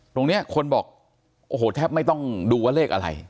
คนนี้คนบอกโอ้โหแทบไม่ต้องดูว่าเลขอะไร